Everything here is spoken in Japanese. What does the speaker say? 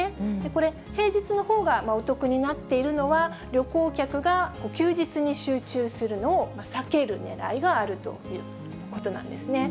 これ、平日のほうがお得になっているのは、旅行客が休日に集中するのを避けるねらいがあるということなんですね。